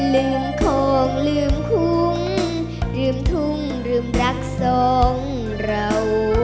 ลืมของลืมคุ้งลืมทุ่งลืมรักสองเรา